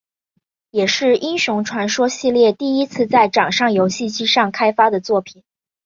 也是英雄传说系列第一次在掌上游戏机上开发的作品。